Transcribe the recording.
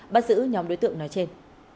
bắt giữ nhóm đối tượng nói trên